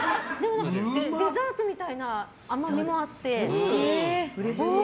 デザートみたいな甘みもあって。